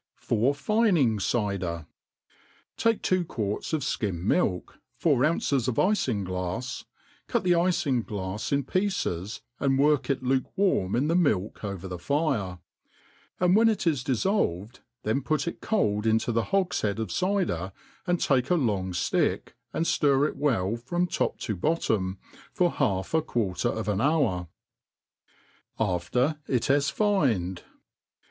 .■.^. For fiw^ Cyder^ TAKE two quarts of fkim milk, four ounces of ifinglafs, cut the ifinglafs in pieces, and work it luke warmin the milk over the fire; and when it is diiTqlvcd, then put it cold into the hogihead of Cyde?, and take a long ftick, and ftir it well from top to bottom, for half a quarter of an hour. 4fter it has fined.